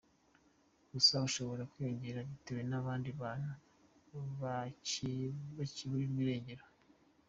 Gusa ushobora kwiyongera bitewe n’abandi bantu bakiburirwa irengero.